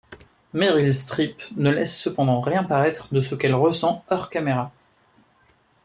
Meryl Streep ne laisse cependant rien paraître de ce qu'elle ressent hors-caméra.